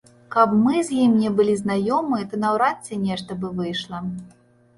Каб мы з ім не былі знаёмыя, то наўрад ці нешта бы выйшла.